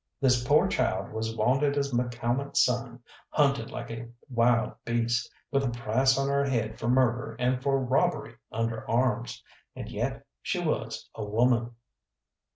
This poor child was wanted as McCalmont's son, hunted like a wild beast, with a price on her head for murder and for robbery under arms. And yet she was a woman!